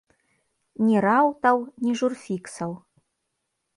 Ні раутаў, ні журфіксаў!